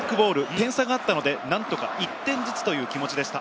点差があったので、何とか１点ずつという気持ちでした。